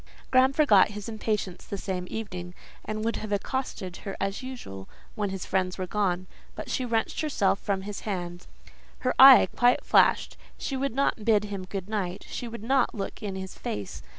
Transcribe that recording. Graham forgot his impatience the same evening, and would have accosted her as usual when his friends were gone, but she wrenched herself from his hand; her eye quite flashed; she would not bid him good night; she would not look in his face.